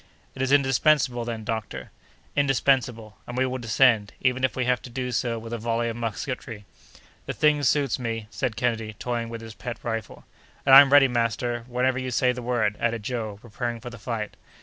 "It is indispensable, then, doctor?" "Indispensable; and we will descend, even if we have to do so with a volley of musketry." "The thing suits me," said Kennedy, toying with his pet rifle. "And I'm ready, master, whenever you say the word!" added Joe, preparing for the fight.